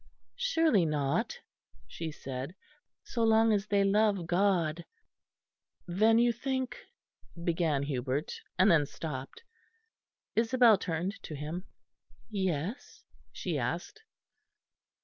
"Surely not," she said, "so long as they love God." "Then you think " began Hubert, and then stopped. Isabel turned to him. "Yes?" she asked.